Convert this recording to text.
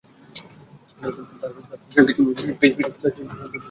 তার কিছু কবিতা নিয়ে সংগীত সৃষ্টি করা হয়েছিল এবং রেকর্ড করা হয়েছিল।